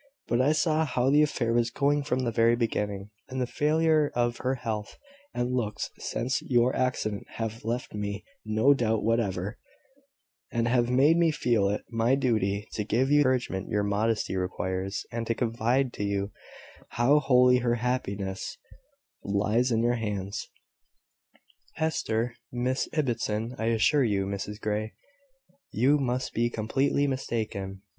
But I saw how the affair was going from the very beginning; and the failure of her health and looks since your accident have left me no doubt whatever, and have made me feel it my duty to give you the encouragement your modesty requires, and to confide to you how wholly her happiness lies in your hands." "Hester! Miss Ibbotson! I assure you, Mrs Grey, you must be completely mistaken."